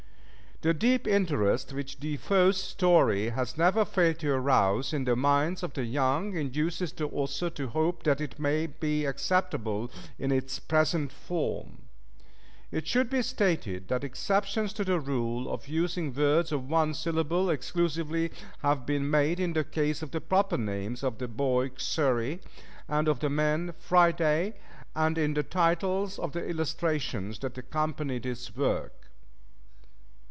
The deep interest which De Foe's story has never failed to arouse in the minds of the young, induces the author to hope that it may be acceptable in its present form. It should be stated that exceptions to the rule of using words of one syllable exclusively have been made in the case of the proper names of the boy Xury and of the man Friday, and in the titles of the illustrations that accompany this work.